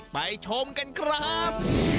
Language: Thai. ชมกันครับ